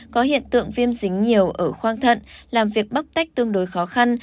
có hiện tượng viêm dính nhiều ở khoang thận làm việc bóc tách tương đối khó khăn